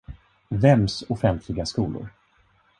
Vems offentliga skolor?